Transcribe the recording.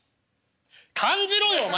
感じろよお前は！